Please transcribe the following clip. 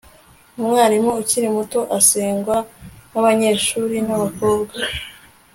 umwarimu ukiri muto asengwa nabanyeshuri b'abakobwa